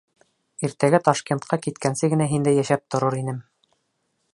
Иртәгә Ташкентҡа киткәнсе генә һиндә йәшәп торор инем...